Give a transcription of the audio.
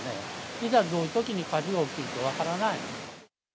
いざ、どういうときに火事が起きるか分からない。